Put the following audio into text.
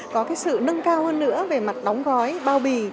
có sự nâng cao hơn nữa về mặt đóng gói bao bì